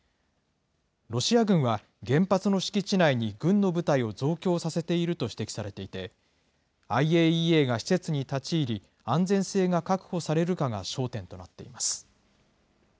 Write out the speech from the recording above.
ロシア軍は、原発の敷地内に軍の部隊を増強させていると指摘されていて、ＩＡＥＡが施設に立ち入り、安全性が確保されるかが焦点となって